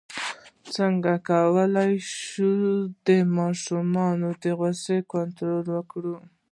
څنګه کولی شم د ماشومانو د غوسې کنټرول وکړم